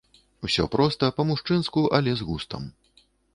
Усё проста, па-мужчынску, але з густам.